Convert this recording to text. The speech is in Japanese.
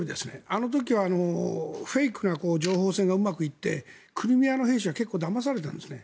あの時はフェイクな情報戦がうまくいってクリミアの兵士は結構だまされたんですね。